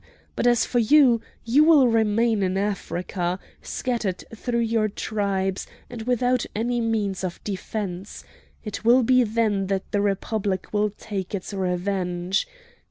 But as for you, you will remain in Africa, scattered through your tribes, and without any means of defence! It will be then that the Republic will take its revenge!